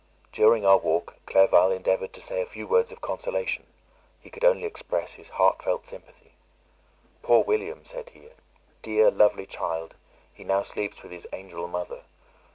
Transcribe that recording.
During our walk, Clerval endeavoured to say a few words of consolation; he could only express his heartfelt sympathy. "Poor William!" said he, "dear lovely child, he now sleeps with his angel mother!